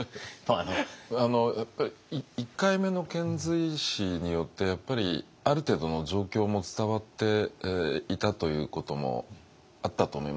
やっぱり１回目の遣隋使によってある程度の状況も伝わっていたということもあったと思いますね。